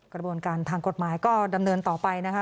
กระบวนการทางกฎหมายก็ดำเนินต่อไปนะคะ